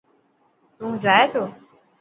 تو جائي تو؟